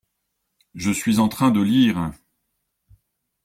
Je suis en train de lire.